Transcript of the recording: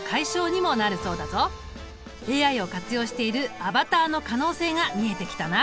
ＡＩを活用しているアバターの可能性が見えてきたな。